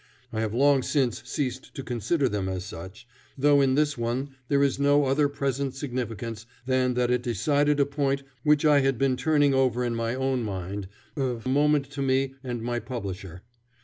I have long since ceased to consider them as such, though in this one there is no other present significance than that it decided a point which I had been turning over in my own mind, of moment to me and my publisher.